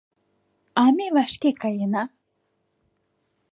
— А ме вашке каена!